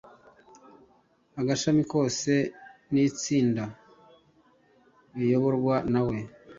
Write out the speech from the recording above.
agashami kose n‘itsinda biyoborwa na we